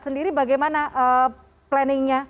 sendiri bagaimana planningnya